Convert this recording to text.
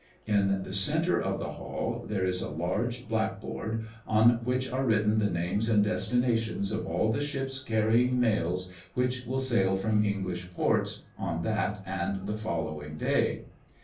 In the centre of the hall there is a large black board, on which are written the names and destinations of all the ships carrying mails which will sail from English ports on that and the following day.